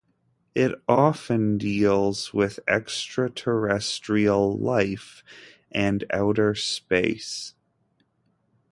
It often deals with extraterrestrial life and outer space.